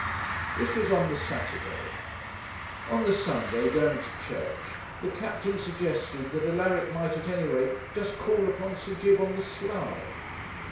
This was on the Saturday. On the Sunday, going to church, the captain suggested that Alaric might, at any rate, just call upon Sir Jib on the sly.